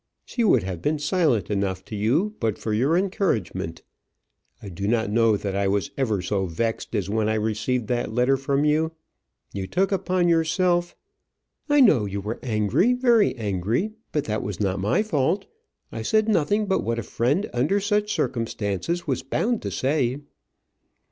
She would have been silent enough to you but for your encouragement. I do not know that I was ever so vexed as when I received that letter from you. You took upon yourself " "I know you were angry, very angry. But that was not my fault. I said nothing but what a friend under such circumstances was bound to say."